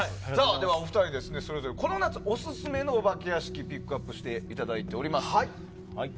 ではお二人この夏、オススメのお化け屋敷をピックアップしていただいております。